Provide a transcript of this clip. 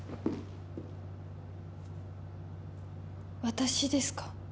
私ですか？